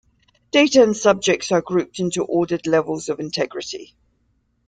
Data and subjects are grouped into ordered levels of integrity.